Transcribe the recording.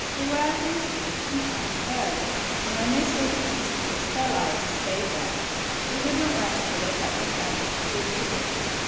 They were, in truth, enchanted birds, and when they saw the princes risk their lives to save theirs, they would not rest till they had returned good for good.